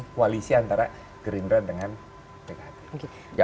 koalisi antara gerindra dengan pkb